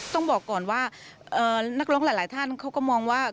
ต้องบอกก่อนว่านักร้องหลายท่านเขาก็มองว่า